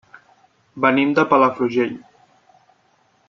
Venim de Palafrugell.